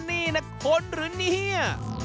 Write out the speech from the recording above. นี่นะคนหรือเนี่ย